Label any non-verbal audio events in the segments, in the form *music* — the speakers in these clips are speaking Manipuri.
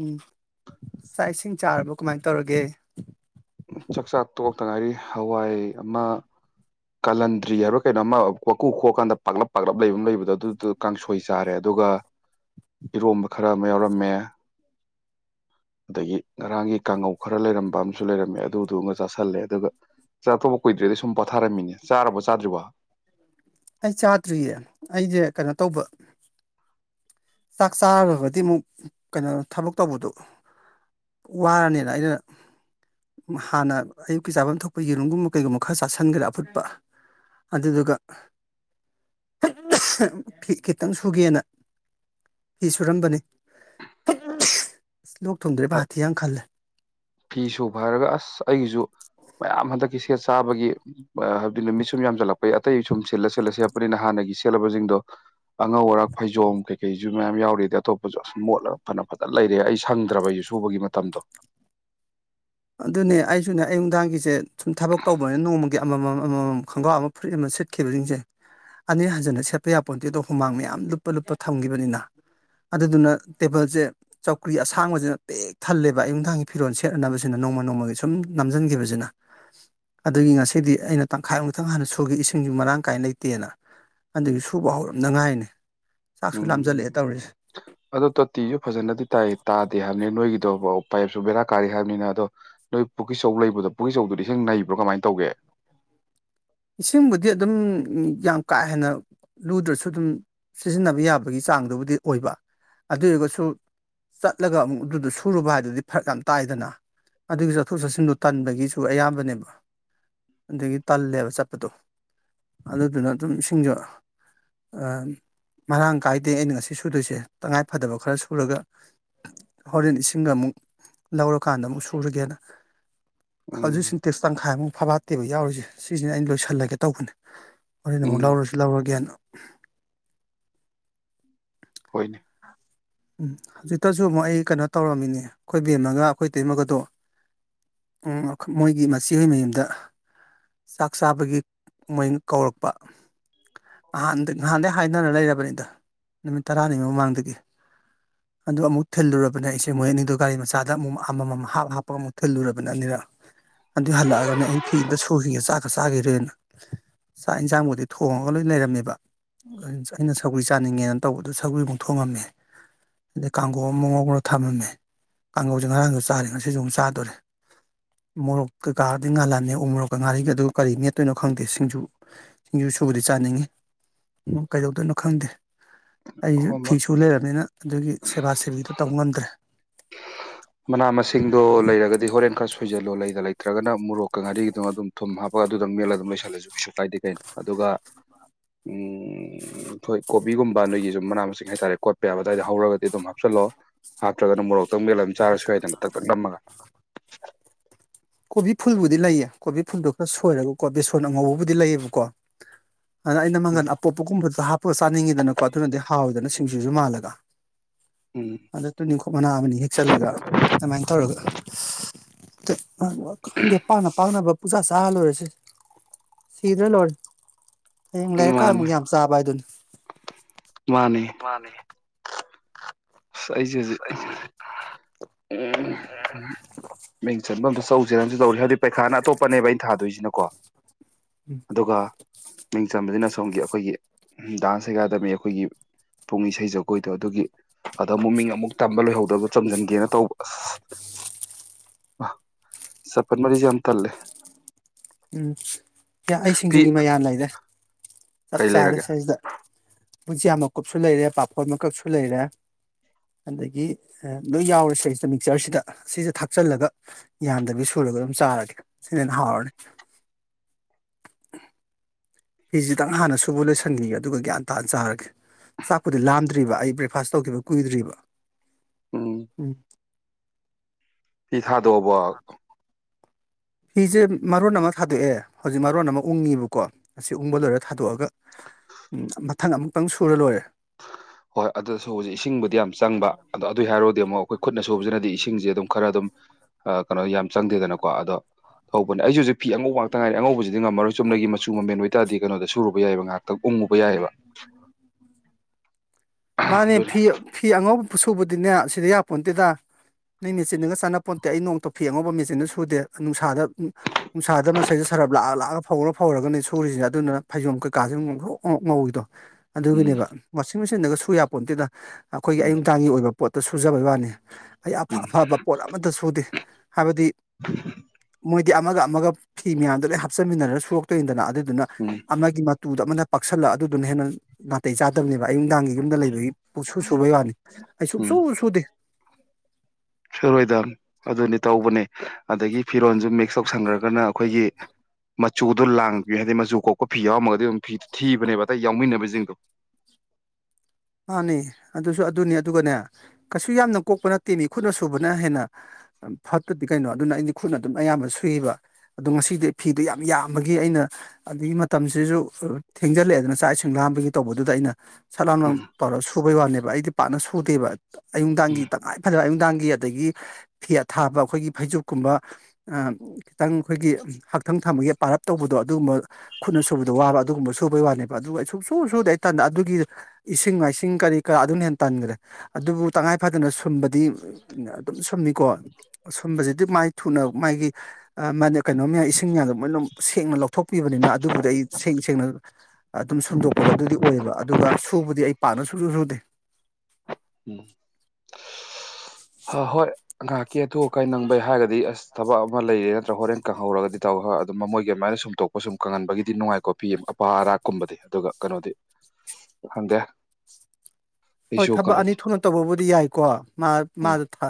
ꯎꯝ ꯆꯥꯛ ꯏꯁꯤꯡ ꯆꯥꯔꯕ ꯀꯃꯥꯏꯅ ꯇꯧꯔꯒꯦ ꯆꯥꯛꯆꯥ ꯇꯣꯛꯇ ꯉꯥꯏꯔꯤ ꯍꯋꯥꯏ ꯑꯃ ꯀꯥꯍꯟꯗ꯭ꯔꯤ ꯍꯥꯏꯕ ꯀꯩꯅꯣ ꯑꯃ ꯀꯀꯨ ꯈꯣꯛꯀꯥꯟꯗ ꯄꯥꯛꯂꯞ ꯄꯥꯛꯂꯞ ꯂꯩꯕ ꯑꯃ ꯂꯩꯕꯗꯣ ꯑꯗꯨꯗꯨ ꯀꯥꯡꯁꯣꯏ ꯆꯥꯔꯦ ꯑꯗꯨꯒ ꯏꯔꯣꯝꯕ ꯈꯔ ꯑꯃ ꯌꯥꯎꯔꯝꯃꯦ ꯑꯗꯒꯤ ꯉꯔꯥꯡꯒꯤ ꯀꯥꯡꯉꯧ ꯈꯔ ꯂꯩꯔꯝꯕ ꯑꯃꯁꯨ ꯂꯩꯔꯝꯃꯦ ꯑꯗꯨꯗꯨꯒ ꯆꯥꯥꯁꯜꯂꯦ ꯑꯗꯨꯒ ꯆꯥꯊꯣꯄ ꯀꯨꯏꯗ꯭ꯔꯦꯗꯤ ꯁꯨꯝ ꯄꯣꯊꯥꯔꯝꯃꯤꯅꯦ ꯆꯥꯔꯕ ꯆꯥꯗ꯭ꯔꯤꯔꯤꯕ ꯑꯩ ꯆꯥꯗ꯭ꯔꯤꯌꯦ ꯑꯩꯁꯦ ꯀꯩꯅꯣ ꯇꯧꯕ ꯆꯥꯛ ꯆꯥꯔꯒꯗꯤ ꯑꯃꯨꯛ ꯀꯩꯅꯣ ꯊꯕꯛ ꯇꯧꯕꯗꯣ ꯋꯥꯔꯅꯤꯅ ꯑꯩꯅ ꯍꯥꯟꯅ ꯑꯌꯨꯛꯀꯤ ꯆꯥꯐꯝ ꯊꯣꯛꯛꯄ ꯌꯦꯔꯨꯝꯒꯨꯝꯕ ꯀꯩꯒꯨꯝꯕ ꯈꯔ ꯆꯥꯥꯁꯟꯈ꯭ꯔꯦ ꯑꯐꯨꯠꯄ ꯑꯗꯨꯗꯨꯒ ꯈꯤꯇꯪ ꯁꯨꯒꯦꯅ ꯐꯤ ꯁꯨꯔꯝꯕꯅꯤ ꯑꯁ ꯂꯣꯛ ꯊꯨꯡꯗ꯭ꯔꯦꯕ ꯍꯥꯊꯤ ꯌꯥꯝ ꯈꯜꯂꯦ ꯐꯤ ꯁꯨꯕ ꯍꯥꯏꯔꯒ ꯑꯁ ꯑꯩꯒꯤꯁꯨ ꯃꯌꯥꯝ ꯍꯟꯗꯛꯀꯤ ꯦꯠ ꯆꯥꯕꯒꯤ ꯍꯥꯏꯕꯗꯤ ꯅꯨꯃꯤꯠ ꯁꯨꯝ ꯌꯥꯝ ꯆꯜꯂꯛꯄ ꯑꯇꯩ ꯁꯨꯝ ꯁꯤꯜꯂ ꯁꯤꯜꯂꯦꯞꯄꯅꯤꯅ ꯍꯥꯟꯅꯒꯤ ꯈꯦꯠꯂꯕꯁꯤꯡꯗꯣ ꯑꯉꯧ ꯑꯔꯥꯛ ꯐꯩꯖꯣꯝ ꯀꯩꯀꯩꯁꯨ ꯃꯌꯥꯝ ꯌꯥꯎꯔꯤꯗꯤ ꯑꯇꯣꯞꯄꯁꯨ ꯑꯁ ꯃꯣꯠꯂꯒ ꯐꯅ ꯐꯖꯅ ꯂꯩꯔꯦ ꯑꯩ ꯁꯪꯗ꯭ꯔꯕ ꯑꯩꯁꯨ ꯁꯨꯕꯒꯤ ꯃꯇꯝꯗꯣ ꯑꯗꯨꯅꯦ ꯑꯩꯁꯨꯅꯦ ꯑꯌꯨꯗꯥꯡꯒꯤꯁꯦ ꯁꯨꯝ ꯊꯕꯛ ꯇꯧꯕꯅꯤ ꯅꯣꯡꯃꯒꯤ ꯑꯃꯃꯝ ꯑꯃꯃꯝ ꯈꯣꯡꯒ꯭ꯔꯥꯎ ꯑꯃ ꯐꯨꯔꯤꯠ ꯑꯃ ꯁꯤꯦꯠꯈꯤꯕꯁꯤꯡꯁꯦ ꯑꯅꯤ ꯍꯟꯖꯤꯟꯅ ꯁꯦꯠꯄ ꯌꯥꯕꯄꯣ ꯅꯠꯇꯦ ꯑꯗꯣ ꯍꯨꯃꯥꯡ ꯃꯌꯥꯝ ꯂꯨꯞꯄ ꯂꯨꯞꯄ ꯊꯝꯈꯤꯕꯅꯤꯅ ꯑꯗꯨꯗꯨꯅ ꯇꯦꯕꯜꯁꯦ ꯆꯧꯀ꯭ꯔꯤ ꯑꯁꯥꯡꯕꯁꯤꯅ ꯄꯦꯛ ꯊꯜꯂꯦꯕ ꯑꯌꯨꯅꯨꯡꯗꯥꯥꯡꯒꯤ ꯐꯤꯔꯣꯜ ꯁꯦꯠꯅꯅꯕꯁ ꯁꯤꯅ ꯅꯣꯡꯃ ꯅꯣꯡꯃꯒꯤ ꯁꯨꯝ ꯅꯝꯁꯤꯟꯈꯤꯕꯁꯤꯅ ꯑꯗꯨꯒꯤ ꯉꯁꯤꯗꯤ ꯑꯩꯅ ꯇꯪꯈꯥꯏꯃꯨꯊꯪ ꯍꯥꯟꯅ ꯁꯨꯈꯤ ꯏꯁꯤꯡꯁꯨ ꯃꯔꯥꯡ ꯀꯥꯏꯅ ꯂꯩꯇꯦꯅ ꯑꯗꯨꯁꯨ ꯁꯨꯕ ꯍꯧꯔꯝꯅꯉꯥꯏꯅꯤ ꯆꯥꯛꯁꯨ ꯎꯝ ꯂꯥꯝꯖꯜꯂꯛꯑꯦ ꯇꯧꯔꯤꯁꯦ ꯑꯗꯣ ꯇꯣꯠꯇꯤꯁꯨ ꯐꯖꯅꯗꯤ ꯇꯥꯏ ꯇꯥꯗꯦ ꯍꯥꯏꯕꯅꯤ ꯅꯣꯏꯒꯤꯗꯤ ꯑꯗꯣ ꯄꯥꯏꯞꯁꯨ ꯕꯦꯔꯥ ꯀꯥꯔꯤ ꯍꯥꯏꯕꯅꯤꯅ ꯑꯗꯣ ꯅꯣꯏ ꯄꯨꯛꯀꯤ ꯆꯧ ꯂꯩꯕꯗꯣ ꯄꯨꯛꯀꯤ ꯆꯧꯗꯨꯗꯤ ꯏꯁꯤꯡ ꯅꯩꯕ꯭ꯔꯣ ꯀꯃꯥꯏꯅ ꯇꯧꯒꯦ ꯏꯁꯤꯡꯕꯨꯗꯤ ꯑꯗꯨꯝ ꯌꯥꯝ ꯀꯥ ꯍꯦꯟꯅ ꯂꯨꯗ꯭ꯔꯁꯨ ꯑꯗꯨꯝ ꯁꯤꯖꯤꯟꯅꯕ ꯌꯥꯕꯒꯤ ꯆꯥꯡꯗꯨꯕꯨꯗꯤ ꯑꯣꯏꯕ ꯑꯗꯨ ꯑꯣꯏꯔꯒꯁꯨ ꯆꯠꯂꯒ ꯑꯃꯨꯛ ꯑꯗꯨꯗ ꯁꯨꯔꯨꯕ ꯍꯥꯏꯗꯨꯗꯤ ꯐꯔꯛ ꯌꯥꯝ ꯇꯥꯏꯗꯅ ꯑꯗꯨꯒꯤ ꯆꯠꯊꯣꯛ ꯆꯠꯁꯤꯟꯗ ꯇꯟꯕꯒꯤꯁꯨ ꯑꯌꯥꯝꯕꯅꯦꯕ ꯑꯗꯨꯗꯒꯤ ꯇꯜꯂꯦꯕ ꯗꯣ ꯑꯗꯨꯗꯨꯅ ꯑꯗꯨꯝ ꯏꯁꯤꯡꯁꯨ ꯃꯔꯥꯡ ꯀꯥꯏꯗꯦ ꯑꯩꯅ ꯉꯁꯤ ꯁꯨꯗꯣꯏꯁꯦ ꯇꯉꯥꯏ ꯐꯗꯕ ꯈꯔ ꯁꯨꯔꯒ ꯍꯣꯔꯦꯟ ꯏꯁꯤꯡꯒ ꯑꯃꯨꯛ ꯂꯧꯔꯀꯥꯟꯗ ꯑꯃꯨꯛ ꯁꯨꯔꯒꯦꯅ ꯎꯝ ꯍꯧꯖꯤꯛꯁꯤꯡꯛ ꯇꯦꯛꯁ ꯇꯪꯈꯥꯏ ꯑꯃꯨꯛ ꯐꯕꯥꯠꯇꯦꯕ ꯌꯥꯎꯔꯤꯁꯦ ꯁꯤꯁꯤꯅ ꯑꯩꯅ ꯂꯣꯏꯁꯤꯜꯦ ꯈꯜꯂꯒꯦ ꯇꯧꯕꯅꯦ ꯍꯣꯔꯅ ꯎꯝ ꯑꯃꯨꯛ ꯂꯧꯔꯁꯨ ꯂꯧꯔꯒꯦꯅ ꯍꯣꯏꯅꯦ ꯎꯝ ꯍꯧꯖꯤꯛꯇꯁꯨ ꯑꯃꯨꯛ ꯑꯩ ꯀꯩꯅꯣ ꯇꯧꯔꯝꯃꯤꯅꯦ ꯑꯩꯈꯣꯏ ꯕꯦꯝꯃꯒ ꯑꯩꯈꯣꯏ ꯏꯇꯩꯃꯒꯗꯣ ꯃꯣꯏꯒꯤ ꯃꯆꯤ ꯍꯣꯏ ꯃꯌꯨꯝꯗ ꯆꯥꯛ ꯆꯥꯕꯒꯤ ꯃꯣꯏ ꯀꯧꯔꯛꯄ ꯅꯍꯥꯟꯗ ꯅꯍꯥꯟꯗꯒꯤꯩ ꯍꯥꯏꯅꯔ ꯂꯩꯔꯕꯅꯤꯗ ꯅꯨꯃꯤꯠ ꯇꯔꯥꯅꯤ ꯃꯃꯥꯡꯗꯒꯤ ꯑꯗꯨ ꯑꯃꯨꯛ ꯊꯤꯜꯂꯨꯔꯕꯅꯦ ꯑꯩꯁꯦ ꯃꯣꯏ ꯑꯅꯤꯗꯣ ꯒꯥꯔꯤ ꯃꯆꯥꯗ ꯑꯃꯨꯛ ꯑꯃꯃꯝ ꯍꯥꯞ ꯍꯥꯞꯄꯒ ꯑꯃꯨꯛ ꯊꯤꯜꯂꯨꯔꯕꯅꯤ ꯑꯅꯤꯔ ꯑꯗꯨ ꯍꯜꯂꯛꯑꯒꯅꯦ ꯑꯩꯩꯅ ꯐꯤ ꯑꯇ ꯁꯨꯈꯤꯒꯦ ꯆꯥꯛ ꯈ ꯆꯥꯈꯤꯔꯣꯏꯅ ꯆꯥꯛ ꯌꯦꯟꯁꯥꯡꯕꯨꯗꯤ ꯊꯣꯡꯉꯒ ꯂꯣꯏ ꯂꯩꯔꯝꯃꯦꯕ ꯑꯩꯅ ꯁꯧꯒ꯭ꯔꯤ ꯆꯥꯅꯤꯡꯉꯦꯅ ꯇꯧꯕꯗꯨ ꯁꯒꯜ ꯑꯃꯨꯛ ꯊꯣꯡꯉꯝꯃꯦ ꯑꯗꯩ ꯀꯥꯡꯒꯧ ꯑꯃ ꯃꯣꯔꯣꯛ ꯃꯣꯔꯣꯛ ꯊꯝꯃꯝꯃꯦ ꯀꯥꯡꯒꯧꯁꯦ ꯉꯔꯥꯡꯁꯨ ꯆꯥꯔꯦ ꯉꯁꯤꯁꯨ ꯑꯃꯨꯛ ꯆꯥꯗꯣꯔꯦ ꯃꯣꯔꯣꯛ ꯀꯩꯀꯥꯗꯤ ꯉꯥꯜꯂꯝꯃꯦ ꯎ ꯃꯣꯔꯣꯛꯀ ꯉꯥꯔꯤꯒꯗꯨ ꯀꯔꯤ ꯃꯦꯠ ꯀꯣꯏꯅꯣ ꯈꯪꯗꯦ ꯁꯤꯡꯖꯨ ꯌꯨꯁꯨꯕꯨꯗꯤ ꯆꯥꯅꯤꯡꯉꯤ ꯀꯩꯗꯧꯗꯣꯏꯅꯣ ꯈꯪꯗꯦ ꯑꯩꯁꯨ ꯑꯍꯣꯝꯕ ꯐꯤꯁꯨ ꯂꯩꯔ ꯑꯅ ꯑꯗꯨꯒꯤ ꯁꯦꯕꯥ ꯁꯦꯕꯤꯗꯣ ꯇꯧꯕ ꯉꯝꯗ꯭ꯔꯦ *unintelligible* ꯃꯅꯥ ꯃꯁꯤꯡꯗꯣ ꯂꯩꯔꯒꯗꯤ ꯍꯣꯔꯦꯟ ꯈꯔ ꯁꯣꯏꯖꯜꯂꯣ ꯂꯩ ꯗ ꯂꯩꯇ꯭ꯔꯒꯅ ꯃꯣꯔꯣꯛꯀ ꯉꯥꯔꯤꯒꯤꯗꯨ ꯑꯗꯨꯝ ꯊꯨꯝ ꯍꯥꯞꯄꯒ ꯑꯗꯨꯗꯝ ꯃꯦꯜꯂ ꯑꯗꯨꯝ ꯂꯩꯁꯜꯂꯁꯨ ꯀꯩꯁꯨ ꯀꯥꯏꯗꯦ ꯀꯩꯅꯣ ꯑꯗꯨꯒ ꯎꯣꯏ ꯀꯣꯕꯤꯒꯨꯝꯕ ꯅꯣꯏꯒꯤ ꯁꯨꯝ ꯃꯅꯥ ꯃꯁꯤꯡ ꯍꯥꯏꯇꯥꯔꯦ ꯀꯣꯠꯄ ꯌꯥꯕ ꯑꯗꯨꯋꯥꯏꯗ ꯍꯧꯔꯒꯗꯤ ꯑꯗꯨꯝ ꯍꯥꯞꯆꯤꯜꯂꯣ ꯍꯥꯞꯇ꯭ꯔꯒꯅ ꯃꯣꯔꯣꯛꯇꯪ ꯃꯦꯜꯂ ꯆꯥꯔꯁꯨ ꯍꯥꯏꯏꯗꯅ ꯇꯛ ꯇꯛ ꯅꯝꯃꯒ ꯀꯣꯕꯤ ꯐꯨꯜꯕꯨꯗꯤ ꯂꯩꯌꯦ ꯀꯣꯕꯤ ꯐꯨꯜꯗꯣ ꯈꯔ ꯁꯣꯏꯔꯒꯀꯣ ꯕꯦꯁꯣꯟ ꯑꯉꯧꯕꯕꯨꯗꯤ ꯂꯩꯌꯦꯕꯀꯣ ꯑꯗꯨꯅ ꯑꯩꯅ ꯃꯪꯒꯟ ꯑꯄꯣꯄꯒꯨꯝꯕꯁꯨ ꯍꯥꯞ ꯄꯣꯠ ꯆꯥꯅꯤꯡꯉꯤꯗꯅꯀꯣ ꯑꯗꯨꯅꯗꯤ ꯍꯥꯎꯋꯦꯗꯅ ꯁꯤꯡꯁꯤꯁꯨ ꯃꯥꯜꯂꯒ ꯎꯝ ꯑꯗ ꯇꯨꯅꯤꯡꯈꯣꯠ ꯃꯅꯥ ꯑꯃ ꯍꯦꯛ ꯆꯜꯂꯒ ꯑꯗꯨꯃꯥꯏꯅ ꯇꯧꯔꯒ ꯇ ꯈꯪꯗꯦ ꯄꯥꯅ ꯄꯥꯛꯅꯕ ꯄꯨꯡꯆꯥ ꯆꯥ ꯂꯣꯏꯔꯁꯦ ꯁꯤꯗ꯭ꯔꯥ ꯂꯣꯏꯔꯦ ꯍꯌꯦꯡ ꯎꯝ ꯂꯩꯥꯔꯀꯥꯟꯏ ꯃꯥꯅꯦ ꯑꯃꯨꯛ ꯌꯥꯝ ꯆꯥꯕ ꯍꯥꯏꯗꯨꯅꯤ ꯃꯥꯅꯦ ꯑꯩꯁꯦ ꯍꯧꯖꯤꯛ ꯎ ꯎ ꯃꯤꯡ ꯆꯟꯕ ꯑꯝꯇ ꯆꯧꯂꯨꯁꯤꯔꯅꯖꯨ ꯇꯧꯔꯤ ꯍꯥꯏꯕꯗꯤ ꯄꯩꯈꯥꯅ ꯑꯇꯣꯞꯄꯅꯦꯕ ꯑꯩꯅ ꯊꯥꯗꯣꯏꯁꯤꯅꯀꯣ ꯎꯝ ꯑꯗꯨꯒ ꯃꯤꯡꯆꯟꯕꯁꯤꯅ ꯁꯣꯝꯒꯤ ꯑꯩꯈꯣꯏꯒꯤ ꯗꯥꯟꯁ ꯑꯦꯀꯥꯗꯃꯤ ꯑꯩꯈꯣꯏꯒꯤ ꯄꯨꯡ ꯏꯁꯩ ꯖꯒꯣꯏꯗꯣ ꯑꯗꯨꯒꯤ ꯑꯗꯣ ꯃꯃꯤꯡ ꯑꯃꯨꯛ ꯇꯝꯕ ꯂꯣꯏꯍꯧꯗꯕ ꯆꯟꯁꯤꯟꯒꯦꯅ ꯇꯧꯕ ꯑꯁ ꯆꯄꯜ ꯃꯔꯤꯁꯦ ꯌꯥꯝ ꯇꯜꯂꯦ ꯎꯝ ꯑꯩꯌꯥ ꯑꯩ ꯐꯤ ꯁꯤꯡꯖꯨꯒꯤ ꯃꯌꯥꯜ ꯂꯩꯏꯔꯦ ꯁꯞ ꯀꯩ ꯁꯔꯦ ꯂꯩꯔꯒꯦ ꯐꯗ ꯕꯨꯟꯖꯤꯌꯥ ꯃꯀꯨꯞꯁꯨ ꯂꯩꯔꯦ ꯄꯥꯐꯣꯣꯟ ꯃꯀꯛꯁꯨ ꯂꯩꯔꯦ ꯑꯗꯒꯤ ꯂꯣꯏ ꯌꯥꯎꯔꯦ ꯁꯤꯩꯁꯤꯗ ꯃꯤꯛꯆꯔꯁꯤꯗ ꯁꯤꯁꯦ ꯊꯥꯛꯆꯜꯂꯒ ꯌꯥꯟꯗ꯭ꯔꯕꯤ ꯁꯨꯔꯒ ꯑꯗꯨꯝ ꯆꯥꯔꯗꯤ ꯁꯤꯗꯅ ꯍꯥꯎꯔꯅꯤ ꯐꯤꯁꯤꯗꯪ ꯍꯥꯟꯅ ꯁꯨꯕ ꯂꯣꯏꯁꯤꯟꯈꯤ ꯑꯗꯨꯒ ꯒ꯭ꯌꯥꯟ ꯇꯥꯅ ꯆꯥꯔꯒꯦ ꯆꯥꯛꯄꯨꯗꯤ ꯂꯥꯝꯗ꯭ꯔꯤꯕ ꯑꯩ ꯕ꯭ꯔꯦꯛꯐꯥꯁ ꯇꯧꯈꯤꯕ ꯀꯨꯏꯗ꯭ꯔꯤꯕ ꯎꯝ ꯐꯤ ꯊꯥꯗꯣꯛꯑꯕꯣ ꯐꯤꯁꯦ ꯃꯔꯣꯟ ꯑꯃ ꯊꯥꯗꯣꯛꯑꯦ ꯍꯧꯖꯤꯛ ꯃꯔꯣꯟ ꯑꯃ ꯎꯪꯉꯤꯕꯀꯣ ꯑꯁꯤ ꯎꯪꯕ ꯂꯣꯏꯔ ꯊꯥꯗꯣꯛꯑꯒ ꯃꯊꯪ ꯑꯃꯨꯛꯇꯪ ꯁꯨꯔ ꯂꯣꯏꯔꯦ ꯍꯣꯏ ꯑꯗꯨꯗ ꯁꯨꯕꯖ‌ꯦ ꯏꯁꯤꯡꯕꯨꯗꯤ ꯌꯥꯝ ꯆꯪꯕ ꯑꯗꯣ ꯑꯗꯨꯏ ꯍꯥꯏꯔꯨꯔꯗꯤ ꯑꯃꯨꯛ ꯑꯩꯈꯣꯏ ꯈꯨꯠꯅ ꯁꯨꯕꯁꯤꯅꯗꯤ ꯏꯁꯤꯡꯁꯦ ꯑꯗꯨꯝ ꯈꯔ ꯑꯗꯨꯝ ꯀꯩꯅꯣ ꯌꯥꯝ ꯆꯪꯗꯦꯗꯅꯀꯣ ꯑꯗꯣ ꯍꯧꯕꯅꯦ ꯑꯩꯁꯨ ꯍꯧꯖꯤꯛ ꯐꯤ ꯑꯉꯧꯕ ꯉꯥꯛꯇ ꯉꯥꯏꯔ‌ꯦ ꯑꯉꯧꯕꯁꯤꯗꯤ ꯉꯝꯃꯔꯣꯏ ꯆꯨꯝꯅꯒꯤ ꯃꯆꯨ ꯃꯃꯦꯟ ꯑꯣꯏꯇꯥꯔꯗꯤ ꯀꯩꯅꯣꯗ ꯁꯨꯔꯨꯕ ꯌꯥꯏꯕ ꯉꯥꯏꯍꯥꯛꯇ ꯎꯪꯉꯨꯕ ꯌꯥꯏꯑꯕ ꯃꯥꯅꯦ ꯑꯗꯨꯅꯦ ꯐꯤ ꯐꯤ ꯑꯉꯧꯕ ꯁꯨꯕꯗꯤꯅꯦ ꯁꯤꯗ ꯌꯥ ꯄꯣꯟꯇꯦꯗ ꯅꯣꯏ ꯃꯦꯆꯤꯟꯅꯒ ꯆꯥꯟꯅ ꯄꯣꯟꯇꯦ ꯑꯩ ꯅꯣꯡꯇꯥ ꯐꯤ ꯑꯉꯧꯕ ꯃꯦꯆꯤꯟꯅ ꯁꯨꯗꯦ ꯅꯨꯡꯁꯥꯗ ꯅꯨꯡꯁꯥꯗ ꯁꯤꯗ ꯁꯔꯞ ꯂꯥꯛꯑ ꯂꯥꯛꯑ ꯐꯧꯔ ꯐꯧꯔꯒꯅꯤ ꯁꯨꯔꯤꯁꯤꯅꯦ ꯑꯗꯨꯅ ꯐꯩꯖꯣꯝ ꯀꯩꯀꯥꯁꯤꯃ ꯐꯂꯣꯛ ꯑꯃꯨꯛ ꯉꯧꯏꯗꯣ ꯎꯝ ꯑꯗꯨꯒꯤꯅꯦꯕ ꯋꯥꯁꯤꯟ ꯃ‌ꯦꯁꯤꯟꯗꯒ ꯁꯨ ꯌꯥꯄꯣꯟ ꯅꯠꯇꯦꯗꯅ ꯑꯩꯈꯣꯏꯒꯤ ꯎꯝ ꯑꯌꯨꯨꯝꯗꯥꯡꯒꯤ ꯑꯣꯏꯕ ꯄꯣꯠꯇ ꯁꯨꯖꯕꯩ ꯋꯥꯅꯤ ꯑꯩ ꯑꯐ ꯎꯝ ꯑꯐꯕ ꯄꯣꯠ ꯑꯃꯠꯇꯥ ꯁꯨꯗꯦ ꯍꯥꯏꯕꯗꯤ *unintelligible* ꯃꯣꯏꯗꯤ ꯑꯃꯒ ꯑꯃꯒ ꯐꯤ ꯃꯌꯥꯝꯗꫭ ꯂꯣꯏ ꯍꯥꯞꯆꯟꯃꯤꯟꯅꯔꯒ ꯁꯣꯛꯛꯇꯣꯏꯅꯤꯗꯅ ꯑꯗꯨ ꯑꯗꯨꯅ ꯎꯝ ꯑꯃꯒꯤ ꯃꯇꯨꯗ ꯑꯃꯅ ꯄꯥꯛꯁꯜꯂ ꯑꯗꯨꯗꯨꯅ ꯍꯦꯟꯅ ꯅꯥꯇꯩ ꯆꯥꯗ ꯅꯠꯇꯕꯅꯦꯕ ꯑꯌꯨꯅꯨꯡꯗꯥꯡꯒꯤ ꯌꯨꯝꯗ ꯂꯩꯕꯒꯤ ꯄꯨꯡꯁꯨ ꯁꯨꯕꯩ ꯋꯥꯅꯤ ꯑꯩ ꯎꯝ ꯁꯨꯡꯁꯨ ꯁꯨꯗꯦ ꯁꯨꯔꯣꯏꯗꯕꯅ‌ ꯑꯗꯨꯅꯤ ꯇꯧꯕꯅꯦ ꯑꯗꯒꯤ ꯐꯤꯔꯣꯟꯜꯁꯨ ꯃꯤꯛꯁ ꯇꯧꯁꯟꯈ꯭ꯔꯒꯅ ꯑꯩꯈꯣꯏꯒꯤ ꯃꯆꯨꯗꯣ ꯂꯥꯡ ꯑꯗꯩ ꯃꯆꯨ ꯀꯣꯛꯄ ꯐꯤ ꯌꯥꯎꯔꯝꯃꯒꯗꯤ ꯑꯗꯨꯝ ꯐꯤꯗꫭ ꯊꯤꯕꯅꯦꯕ ꯑꯇꯩ ꯌꯥꯎꯃꯤꯟꯅꯕꯁꯤꯡꯗꯣ ꯃꯥꯅꯤ ꯑꯗꯨꯁꯨ ꯑꯗꯨꯅꯤ ꯑꯗꯨꯒꯅꯦ ꯀꯩꯁꯨ ꯌꯥꯝꯅ ꯀꯣꯛꯄ ꯅꯠꯇꯦꯃꯤ ꯈꯨꯠꯅ ꯁꯨꯕꯅ ꯍꯦꯟꯅ ꯐꯠꯇꯗꯤ ꯀꯩꯅꯣ ꯑꯗꯨꯅ ꯑꯩꯗꯤ ꯈꯨꯠꯅ ꯑꯗꯨꯝ ꯑꯌꯥꯝꯕ ꯁꯨꯏꯕ ꯑꯗꯨ ꯉꯁꯤꯗꯤ ꯐꯤꯗꯨ ꯌꯥꯝ ꯌꯥꯝꯕꯒꯤ ꯑꯩꯅ ꯑꯗꯨꯗꯒꯤ ꯃꯇꯝꯁꯤꯁꯨ ꯊꯦꯡꯖꯤꯜꯂꯛꯑꯦ ꯑꯗꯨꯅ ꯆꯥꯛ ꯏꯁꯤꯡ ꯂꯥꯝꯕꯒꯤ ꯇꯧꯕꯗꯨꯗ ꯑꯩꯅ ꯁꯂꯅꯣ ꯎꯝ *unintelligible* ꯁꯨꯕꯩ ꯋꯥꯅꯦꯕ ꯑꯩꯗꯤ ꯄꯥꯠꯅ ꯁꯨꯗꯦꯕ ꯑꯌꯨꯗꯥꯡꯒꯤ ꯎꯝ ꯇꯉꯥꯏ ꯐꯕ ꯑꯌꯨ ꯅꯨꯡꯗꯥꯡꯒꯤ ꯑꯗꯒꯤ ꯐꯤ ꯑ ꯊꯥꯕ ꯑꯩꯈꯣꯏꯒꯤ ꯐꯩꯖꯨꯞꯀꯨꯝꯕ ꯈꯤꯇꯪ ꯑꯩꯈꯣꯏꯒꯤ ꯍꯛꯊꯥꯡ ꯊꯝꯃꯒꯤ ꯄꯥꯔꯞ ꯇꯧꯕꯗꯣ ꯑꯗꯨꯒꯨꯝꯕ ꯈꯨꯠꯅ ꯁꯨꯕꯗꯣ ꯋꯥꯕ ꯑꯗꯨꯒꯨꯝꯕ ꯁꯨꯕꯒꯤ ꯋꯥꯅꯦꯕ ꯑꯗꯨꯒ ꯁꯨꯡꯁ ꯁꯨꯗ ꯑꯩꯇꯥꯥꯟꯗ ꯑꯗꯨꯒꯤ ꯏꯁꯤꯡ ꯃꯥꯏꯁꯤꯡ ꯀꯔꯤ ꯀꯔꯥ ꯑꯗꯨꯝꯅ ꯍꯦꯟꯅ ꯇꯟꯈ꯭ꯔꯦ ꯑꯗꯨꯕꯨ ꯇꯉꯥꯏ ꯐꯗꯅ ꯁꯨꯝꯕꯗꯤ ꯑꯗꯨꯝ ꯁꯨꯝꯃꯤꯀꯣ ꯁꯨꯝꯕꯁꯤꯗꯤ ꯃꯥꯏ ꯊꯨꯅ ꯃꯥꯒꯤ ꯀꯩꯅꯣꯝ ꯏꯁꯤꯡ ꯃꯌꯥꯝꯗꯣ ꯃꯣꯏꯅ ꯁꯦꯡꯅ ꯂꯧꯊꯣꯛꯄꯤꯕꯅꯤꯅ ꯑꯗꯨꯕꯨꯗꯤ ꯑꯩ ꯁꯦꯡ ꯁꯦꯡꯅ ꯑꯗꯨꯝ ꯁꯨꯝꯗꯣꯛꯄꯗꯣ ꯑꯗꯨꯗꯤ ꯑꯣꯏꯌꯦꯕ ꯑꯗꯨꯒ ꯁꯨꯕꯨꯗꯤ ꯑꯩ ꯄꯥꯅ ꯁꯨꯔ ꯁꯨꯗꯦ ꯎꯝ ꯑ ꯍꯣꯏ ꯉꯥꯏꯍꯥꯛꯀꯤ ꯑꯊꯨ ꯑꯀꯥꯏ ꯅꯪꯕꯩ ꯍꯥꯏꯔꯒꯗꯤ ꯑꯁ ꯊꯕꯛ ꯑꯃ ꯂꯩꯔꯦ ꯅꯠꯇ꯭ꯔ ꯍꯣꯔꯦꯟ ꯀꯪꯍꯧꯔꯒꯗꯤ ꯇꯧ ꯑꯗꯨꯣ ꯃꯃꯣꯏꯒꯤ ꯑꯗꯨꯃꯥꯏꯅ ꯁꯨꯝꯇꯣꯛꯄ ꯁꯨꯝ ꯀꯪꯍꯟꯕꯒꯤꯗꯤ ꯅꯨꯡꯉꯥꯏꯀꯣ ꯐꯤ ꯑꯄꯥ ꯑꯔꯥꯛꯀꯨꯝꯕꯗꯤ ꯑꯗꯨꯒ ꯀꯩꯅꯣꯗꯤ ꯈꯪꯗꯦ ꯍꯣꯏ ꯑꯩꯁꯨ ꯊꯕꯛ ꯀꯩꯅꯣ ꯑꯅꯤ ꯊꯣꯛꯅ ꯇꯧꯕꯕꯨꯗꯤ ꯌꯥꯏꯀꯣ ꯃꯥ ꯎꯝ ꯃꯥꯗꯨ ꯊ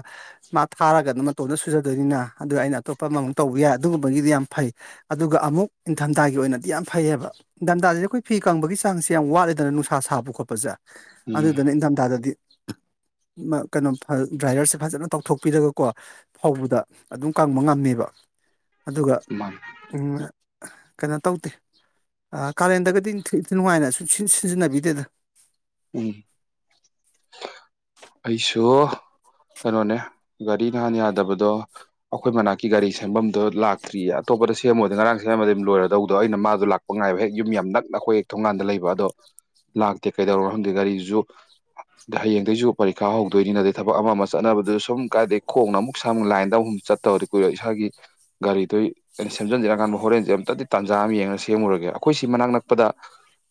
ꯃꯥ ꯊꯥꯔꯒꯅ ꯃꯇꯣꯟꯝꯗ ꯁꯨꯖꯗꯣꯏꯅꯤꯅ ꯑꯗꯨ ꯑꯩꯅ ꯑꯇꯣꯞꯄ ꯑꯃꯃꯝꯛ ꯇꯧꯕ ꯌꯥꯏ ꯑꯗꯨꯒꯨꯝꯕꯒꯤꯗꯤ ꯌꯥꯝ ꯐꯩ ꯑꯗꯨꯒ ꯑꯃꯨꯛ ꯏꯟꯊꯝꯊꯥꯒꯤ ꯑꯣꯏꯅꯗꯤ ꯌꯥꯝ ꯐꯩꯑꯕ ꯏꯟꯊꯝꯊꯥꯁꯤꯗ ꯑꯩꯈꯣꯏ ꯐꯤ ꯀꯪꯕꯒꯤ ꯆꯥꯡꯁꯦ ꯌꯥꯝ ꯋꯥꯠꯂꯤꯦꯗꯅ ꯅꯨꯡꯁꯥ ꯁꯥꯕ ꯈꯣꯠꯄꯁꯦ ꯎꯝ ꯑꯗꯨꯗꯅ ꯏꯪꯊꯝꯊꯥꯗꯗꯤ ꯀꯩꯅꯣ ꯗ꯭ꯔꯥꯏꯌꯔꯁꯦ ꯐꯖꯅ ꯇꯧꯊꯣꯛꯄꯤꯔꯒꯀꯣ ꯐꯥꯎꯕꯗ ꯑꯗꯨꯝ ꯀꯪꯕ ꯉꯝꯃꯦꯕ ꯑꯗꯨꯒ ꯀꯩꯅꯣ ꯇꯧꯗꯦ ꯀꯥꯔꯦꯟꯗꯒꯗꯤ ꯅꯨꯡꯉꯥꯏꯅꯁꯨ ꯁꯤꯖꯤꯟꯅꯕꯤꯗꯦꯗ ꯎꯝ ꯑꯩꯁꯨ ꯀꯩꯅꯣꯅꯦ ꯒꯥꯔꯤ ꯅꯍꯥꯟ ꯌꯥꯗꯕꯗꯣ ꯑꯩꯈꯣꯏ ꯃꯅꯥꯛꯀꯤ ꯒꯥꯔꯤ ꯁꯦꯝꯐꯝꯗꯣ ꯂꯥꯛꯇ꯭ꯔꯤꯌꯦ ꯑꯇꯣꯞꯄꯗ ꯁꯦꯝꯃꯣꯏꯗ ꯉꯔꯥꯡ ꯁꯦꯝꯃꯗꯤꯝ ꯂꯣꯏꯔꯗꯧꯗꯣ ꯑꯩꯅ ꯃꯥꯗꯣ ꯂꯥꯛꯄ ꯉꯥꯏꯕ ꯍꯦꯛ ꯌꯨꯝ ꯌꯥꯝ ꯅꯛꯅ ꯑꯩꯈꯣꯏ ꯍꯦꯛ ꯊꯣꯡꯒꯥꯟꯗ ꯂꯩꯕ ꯑꯗꯣ ꯂꯥꯛꯇꯦ ꯀꯩꯗꯧꯔꯣ ꯈꯪꯗ ꯒꯥꯔꯤꯗꯨꯁꯨ ꯍꯌꯦꯡꯗꯒꯤꯩꯁꯨ ꯄꯔꯤꯈꯥ ꯍꯧꯗꯣꯏꯅꯤ ꯑꯠꯇꯦ ꯊꯕꯛ ꯑꯃ ꯆꯠꯅꯕꯗꯨꯁꯨ ꯁꯨꯝ ꯀꯥꯏꯗꯩ ꯈꯣꯡꯅ ꯑꯃꯨꯛ ꯁꯨꯛ ꯂꯥꯏꯟꯗ ꯑꯃꯨꯨꯝ ꯆꯠꯇꯧꯔꯗꯤ ꯀꯨꯏꯔꯣ ꯏꯁꯥꯒꯤ ꯒꯥꯔꯤꯗꯨ ꯁꯦꯝꯖꯤꯟꯖꯔꯀꯥꯟꯗ ꯍꯣꯔꯦꯟꯁꯦ ꯑꯃꯝꯇꯗꯤ ꯇꯥꯟꯖꯥ ꯑꯃ ꯌꯦꯡꯉꯒ ꯁꯦꯝꯉꯨꯔꯒꯦ ꯑꯩꯈꯣꯏꯁꯤ ꯃꯅꯥꯛ ꯅꯛꯄꯗ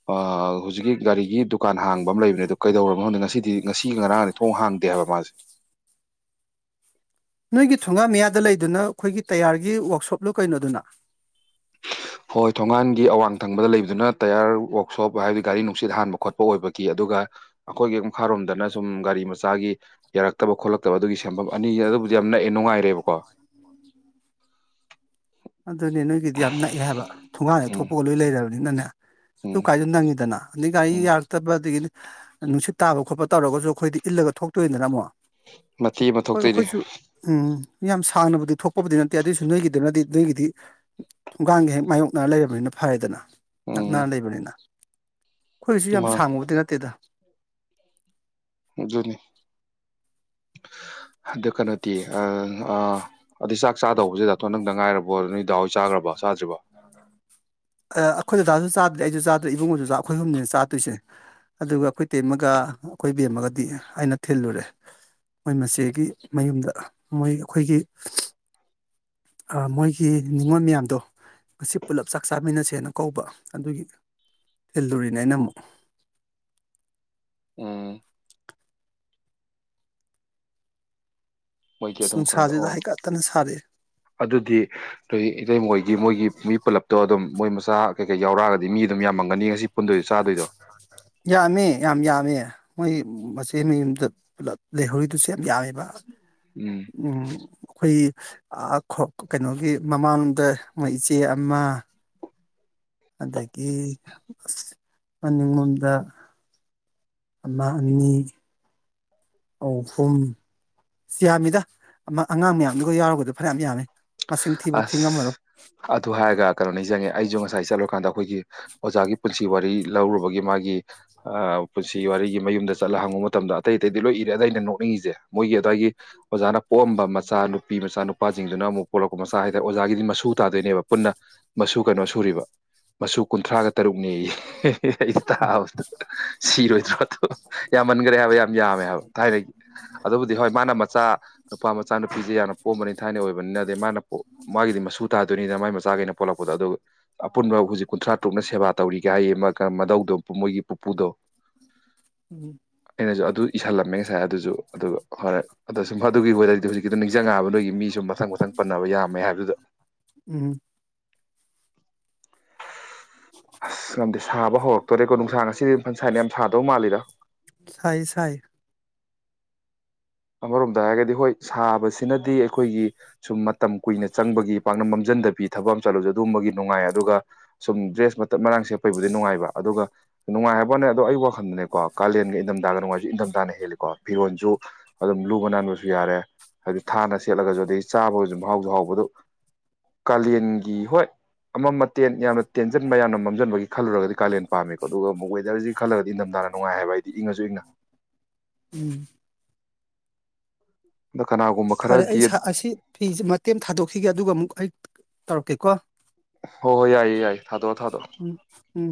ꯑ ꯍꯧꯖꯤꯛꯀꯤ ꯒꯥꯔꯤꯒꯤ ꯗꯨꯀꯥꯟ ꯍꯥꯡꯕ ꯑꯃ ꯂꯩꯕꯅꯦ ꯑꯗꯣ ꯀꯩꯗꯧꯔꯕꯣꯪꯗꯦ ꯉꯁꯤꯗꯤ ꯉꯁꯤ ꯉꯔꯥꯡꯗꯤ ꯊꯣꯡ ꯍꯥꯡꯗꯦ ꯍꯥꯏꯕ ꯃꯥꯁꯦ ꯅꯣꯏꯒꯤ ꯊꯣꯡꯒꯥ ꯃꯌꯥꯗ ꯂꯩꯗꯨꯅ ꯑꯩꯈꯣꯏꯒꯤ ꯇꯌꯥꯔꯒꯤ ꯋꯥꯛꯁꯣꯞꯂꯣ ꯀꯩꯅꯣꯗꯨꯅ ꯍꯣꯏ ꯊꯣꯡꯉꯥꯟꯒꯤ ꯑꯋꯥꯡ ꯊꯪꯕꯗ ꯂꯩꯕꯗꯨꯅ ꯇꯌꯥꯔ ꯋꯥꯛꯁꯣꯞ ꯍꯥꯏꯕꯗꯤ ꯒꯥꯔꯤ ꯅꯨꯡꯁꯤꯠ ꯍꯥꯟꯕ ꯈꯣꯠꯄ ꯑꯣꯏꯕꯒꯤ ꯑꯗꯨꯒ ꯑꯩꯈꯣꯏꯒꯤ ꯃꯈꯥꯔꯣꯝꯗꯅ ꯁꯨꯝ ꯒꯥꯔꯤ ꯃꯆꯥꯒꯤ ꯌꯥꯔꯛꯇꯕ ꯈꯣꯠꯂꯛꯇꯕ ꯑꯗꯨꯒꯤ ꯁꯦꯝꯦꯟꯐꯝ ꯑꯅꯤ ꯑꯗꯨꯕꯨꯗꯤ ꯌꯥꯝ ꯅꯛꯑꯦ ꯅꯨꯡꯉꯥꯏꯔꯦꯕꯀꯣ ꯑꯗꯨꯅꯦ ꯅꯣꯏꯒꯤꯗꯤ ꯌꯥꯝ ꯅꯛꯑꯦ ꯍꯥꯏꯕ ꯊꯣꯡꯒꯥꯟꯗ ꯎꯝ ꯊꯣꯛꯄꯑ ꯂꯣꯏ ꯂꯩꯔꯕꯅꯤꯅꯅꯦ ꯨ ꯎꯝ ꯀꯥꯏꯗꯅ ꯅꯪꯗꯅ ꯅꯒ ꯑꯩ ꯎꯝ ꯌꯥꯔ ꯇꯕ ꯑꯗꯨ ꯅꯨꯡꯁꯤꯠ ꯇꯥꯕ ꯈꯣꯠꯄ ꯇꯧꯔꯒꯁꯨ ꯑꯩꯈꯣꯏꯗꯤ ꯏꯜꯂꯒ ꯊꯣꯛꯇꯣꯏꯗꯅ ꯑꯃꯨꯛ ꯃꯊꯤ ꯑꯃ ꯍꯣꯏ ꯊꯣꯛꯇꯣꯏꯔꯤ ꯑꯩꯈꯣꯏꯁꯨ ꯎꯝ ꯌꯥꯝ ꯁꯥꯡꯅꯕꯨꯗꯤ ꯊꯣꯛꯄꯕꯨꯗꯤ ꯅꯠꯇꯦ ꯑꯗꯨꯑꯣꯏꯁꯨ ꯅꯣꯏꯒꯤꯗꯨꯅꯗꯤ ꯑꯗꯨꯏꯒꯤꯗꯤ ꯍꯣꯡꯒꯥꯡꯒ ꯍꯦꯛ ꯃꯥꯏꯌꯣꯛꯅꯔ ꯂꯩꯔꯕꯅꯤꯅ ꯐꯔꯦꯗꯅ ꯎꯝ ꯅꯅꯥ ꯂꯩ ꯂꯩꯕꯅꯤꯅ ꯑꯩꯈꯣꯏꯁꯨ ꯌꯥꯝ ꯃꯥ ꯁꯥꯡꯉꯨꯕꯗꯤ ꯅꯠꯇꯦꯗ ꯖꯤꯅꯤ ꯑꯗꯨ ꯀꯩꯅꯣꯗꯤ ꯑꯗꯨꯗꯩ ꯆꯥꯛ ꯆꯥꯗꯧꯕꯁꯤꯗꯇꯣ ꯅꯪꯗ ꯉꯥꯏꯔꯕꯣ ꯅꯣꯏ ꯗꯥꯎ ꯍꯏ ꯆꯥꯈ꯭ꯔꯕ ꯆꯥꯗ꯭ꯔꯤꯕ ꯑꯩꯈꯣꯏ ꯗꯗꯥꯁꯨ ꯆꯥꯗ꯭ꯔꯦ ꯑꯩꯁꯨ ꯆꯥꯗ꯭ꯔꯦ ꯏꯕꯨꯡꯉꯁꯨ ꯑꯩꯈꯣꯏ ꯍꯨꯝꯅꯤꯅ ꯆꯥꯗꯣꯏꯁꯦ ꯑꯗꯨꯒ ꯑꯩꯈꯣꯏ ꯇꯦꯝꯃꯒ ꯑꯩꯈꯣꯏꯕꯦꯝꯃꯒꯗꯤ ꯑꯩꯅ ꯊꯤꯜꯂꯨꯔꯦ ꯃꯣꯏ ꯃꯆꯦꯒꯤ ꯃꯌꯨꯝꯗ ꯃꯣꯏ ꯑꯩꯈꯣꯏꯒꯤ ꯃꯣꯏꯒꯤ ꯅꯤꯡꯅꯤꯉꯣꯜ ꯃꯌꯥꯝꯗꯣ ꯃꯁꯤ ꯄꯨꯂꯞ ꯆꯥꯃꯤꯟꯅꯁꯦꯅ ꯀꯧꯕ ꯑꯗꯨꯒꯤ ꯊꯤꯜꯂꯨꯔꯤꯅꯦ ꯑꯩꯅ ꯑꯃꯨꯛ ꯎꯝ ꯃꯣꯏꯒꯤ ꯑꯁ ꯑꯗꯨꯝ ꯀꯩꯅꯣꯗ ꯅꯨꯡꯁꯥꯁꯤꯗ ꯑꯣ ꯍꯩꯀꯠꯇꯅ ꯁꯥꯔꯛꯑꯦ ꯑꯗꯨꯗꯤ ꯅ ꯏꯇꯩꯩ ꯃꯣꯏ ꯃꯣꯏꯒꯤ ꯃꯤ ꯄꯨꯜꯂꯞꯇꯣ ꯑꯗꯨꯝ ꯃꯣꯏ ꯃꯆꯥ ꯀꯩꯀꯩ ꯌꯥꯎꯔꯛꯑꯒꯗꯤ ꯃꯤ ꯑꯗꯨꯝ ꯌꯥꯝꯃꯝꯒꯅꯤ ꯉꯁꯤ ꯄꯨꯟꯗꯣꯏꯣ ꯆꯥꯗꯣꯏꯗꯣ ꯌꯥꯝꯃꯦ ꯌꯥꯝ ꯌꯥꯝꯃꯦ ꯃꯣꯏ ꯃꯆꯦꯅ ꯌꯨꯝꯗ ꯄꯨꯂꯞ ꯂꯩꯍꯧꯔꯤꯗꯨꯁꯨ ꯌꯥꯝ ꯌꯥꯝꯃꯦꯕ ꯎꯝ ꯑꯈꯣꯏ ꯑ ꯀꯩꯅꯣꯒꯤ ꯃꯃꯥꯡꯗ ꯃꯣꯏ ꯏꯆꯦ ꯑꯃ ꯑꯗꯒꯤ ꯑꯁ ꯃꯅꯤꯡꯂꯣꯝꯗ ꯑꯃ ꯑꯅꯤ ꯑꯧ ꯐꯨꯝ ꯌꯥꯝꯃꯤꯗ ꯃꯤ ꯑꯉꯥꯡ ꯃꯌꯥꯝꯗꯨꯒ ꯌꯥꯎꯔꯒꯗꯨ ꯐꯅꯌꯥꯝ ꯌꯥꯝꯃꯦ ꯑꯁ ꯑꯗꯨ ꯍꯥꯏꯔꯒ ꯀꯅꯣꯅꯤꯡꯖꯪꯉꯦ ꯑꯩꯁꯨ ꯉꯁꯥꯏ ꯆꯠꯂꯨꯔꯀꯥꯟꯗ ꯑꯩꯈꯣꯏꯒꯤ ꯑꯣꯖꯥꯒꯤ ꯄꯨꯟꯁꯤ ꯋꯥꯔꯤ ꯂꯧꯔꯨꯕꯒꯤ ꯃꯥꯒꯤ ꯑ ꯄꯨꯟꯁꯤ ꯋꯥꯔꯤꯒꯤ ꯃꯌꯨꯝꯗ ꯆꯠꯂ ꯍꯪꯉꯨꯕ ꯃꯇꯝꯗ ꯑꯇꯩ ꯑꯇꯩꯗꯤ ꯂꯣꯏ ꯏꯔꯦ ꯑꯗ ꯑꯩꯅ ꯅꯣꯛꯅꯤꯡꯉꯤꯁꯦ ꯃꯣꯏꯒꯤ ꯑꯗꯥꯏꯒꯤ ꯑꯣꯖꯥꯅ ꯄꯣꯛꯑꯝꯕ ꯃꯆꯥ ꯅꯨꯄꯤ ꯃꯆꯥ ꯅꯨꯨꯄꯥꯖꯤꯡꯗꯨꯅ ꯑꯃꯨꯛ ꯄꯣꯛꯂꯛꯄ ꯃꯆꯥ ꯍꯥꯏꯗ ꯑꯣꯖꯥꯒꯤꯗꯤ ꯃꯁꯨ ꯇꯥꯗꯣꯏꯅꯦꯕ ꯄꯨꯟꯅ ꯃꯁꯨ ꯀꯩꯅꯣ ꯁꯨꯔꯤꯕ ꯃꯁꯨ ꯀꯨꯟꯊ꯭ꯔꯥꯒ ꯇꯔꯨꯛꯅꯦꯌꯦ ꯏꯁ ꯁꯤꯔꯣꯏꯗ꯭ꯔꯣ ꯑꯗꯣ ꯌꯥꯝꯃꯟꯒꯔꯦ ꯍꯥꯏꯕ ꯌꯥꯝ ꯌꯥꯝꯃꯦ ꯍꯥꯏꯕ ꯊꯥꯏꯅꯒꯤ ꯑꯗꯨꯕꯨꯗꯤ ꯍꯣꯏ ꯃꯥꯅ ꯃꯆꯥ ꯅꯨꯄꯥ ꯃꯆꯥ ꯅꯨꯄꯤꯁꯦ ꯌꯥꯝꯅ ꯄꯣꯝꯕꯅꯤ ꯊꯥꯏꯅ ꯑꯣꯏꯕꯅꯤꯅ ꯗꯩ ꯃꯥꯅ ꯃꯥꯒꯤꯗꯤ ꯃꯁꯨ ꯇꯥꯗꯣꯏꯅꯤꯗꯅ ꯃꯥꯏ ꯃꯆꯥ ꯒꯩꯅ ꯄꯂꯛꯄꯗꯣ ꯑꯗꯨ ꯑꯄꯨꯟꯕ ꯍꯧꯖꯤꯛ ꯀꯨꯟꯊ꯭ꯔꯥ ꯇꯔꯨꯛꯅ ꯁꯦꯕꯥ ꯇꯧꯔꯤꯒ ꯍꯥꯏꯌꯦ ꯑꯃ ꯃꯙꯧꯗꯣ ꯃꯣꯏꯒꯤ ꯄꯨꯄꯨꯗꯣ ꯎꯝ ꯑꯩꯁꯨ ꯑꯗꯨ ꯏꯁꯤꯜꯂꯝꯃꯦ ꯉꯁꯥꯏ ꯑ ꯑꯗꯨꯁꯨ ꯑꯗꯨꯒ *unintelligible* ꯑꯗ ꯑꯗꯨꯒꯤ ꯑꯣꯏꯔꯗꯤ ꯍꯧꯖꯤꯛꯀꯤ ꯑꯗꯨꯣ ꯅꯤꯡꯁꯤꯡꯉꯛꯑꯕ ꯅꯣꯏꯒꯤ ꯃꯤꯁꯨ ꯃꯊꯪ ꯃꯊꯪ ꯄꯟꯅꯕ ꯌꯥꯝꯃꯦ ꯍꯥꯏꯕꯗꯨꯗ ꯎꯝ ꯑꯁ ꯉꯝꯗꯤꯦ ꯁꯥꯕ ꯍꯧꯔꯛꯇꯣꯔꯦꯀꯣ ꯅꯨꯡꯁꯥꯡ ꯑꯁꯤ ꯁꯥꯏꯠ ꯌꯥꯝ ꯁꯥꯗꯧ ꯃꯥꯜꯂꯤꯗ ꯁꯥꯏ ꯁꯥꯏ ꯑꯃꯔꯣꯝꯗ ꯍꯥꯏꯔꯒꯗꯤ ꯍꯣꯏ ꯁꯥꯕꯁꯤꯅꯗꯤ ꯑꯩꯈꯣꯏꯒꯤ ꯁꯨꯝ ꯃꯇꯝ ꯀꯨꯏꯅ ꯆꯪꯕꯒꯤ ꯄꯥꯛꯅ ꯃꯝꯖꯟꯗꯕꯤ ꯊꯕꯛ ꯑꯃ ꯆꯠꯂꯖꯨ ꯑꯗꯨꯒꯝꯕꯒꯤ ꯅꯨꯡꯉꯥꯏ ꯑꯗꯨꯒ ꯁꯨꯝ ꯗ꯭ꯔꯦꯁ ꯃꯇꯠ ꯃꯔꯥꯡ ꯁꯦꯠꯄꯩꯕꯨꯗꯤ ꯅꯨꯡꯉꯥꯏꯕ ꯑꯗꯨꯒ ꯅꯨꯡꯉꯥꯏ ꯍꯥꯏꯕ ꯋꯥꯅꯦ ꯑꯗꯣ ꯑꯩ ꯋꯥꯈꯟꯗꯅꯦꯀꯣ ꯀꯥꯂꯦꯟꯒ ꯏꯟꯊꯝꯊꯒ ꯅꯨꯡꯉꯥꯏꯕꯁꯨ ꯏꯟꯊꯝꯊꯥꯅ ꯍꯦꯜꯂꯤꯀꯣ ꯐꯤꯔꯣꯟꯁꯨ ꯑꯗꯨꯝ ꯂꯨꯕ ꯅꯥꯟꯕꯁꯨ ꯌꯥꯔꯦ ꯍꯥꯏꯗꯤ ꯊꯥꯅ ꯁꯦꯠꯂꯒꯁꯨ ꯑꯗꯨꯗꯒꯤ ꯆꯥꯕꯒꯁꯨ ꯃꯍꯥꯎꯁꯨ ꯍꯥꯎꯕꯗꯨ ꯀꯥꯂꯦꯟꯒꯤ ꯍꯣꯏ ꯑꯃꯝ ꯑꯇꯦꯟ ꯌꯥꯝꯅ ꯇꯦꯟꯖꯟꯕ ꯌꯥꯝꯅ ꯃꯝꯖꯟꯕꯒꯤ ꯈꯜꯂꯨꯔꯒꯗꯤ ꯀꯥꯂꯦꯟ ꯄꯥꯝꯃꯦꯀꯣ ꯑꯗꯨꯒ ꯑꯃꯨꯛ ꯋꯦꯗꯔꯁꯤ ꯈꯜꯂꯒꯗꯤ ꯏꯪꯊꯝꯊꯥꯅ ꯅꯨꯡꯉꯥꯏ ꯍꯥꯏꯕ ꯑꯩꯗꯤ ꯏꯪꯉꯁꯨ ꯏꯪꯅ ꯎꯝ ꯑꯗꯣ ꯀꯅꯥꯒꯨꯝꯕ ꯐꯔꯦ ꯑꯩ ꯈꯔꯗꯤ ꯑꯁꯤ ꯐ ꯃꯇꯦꯝ ꯊꯥꯗꯣꯛꯈꯤꯒꯦ ꯑꯗꯨꯒ ꯑꯃꯨꯛ ꯑꯩ ꯇꯧꯔꯛꯀꯦꯀꯣ ꯍꯣ ꯍꯣ ꯌꯥꯏꯌꯦ ꯌꯥꯏꯌꯦ ꯊꯥꯗꯣꯛꯑꯣ ꯊꯥꯗꯣꯛꯑꯣ ꯎꯝ ꯎꯝ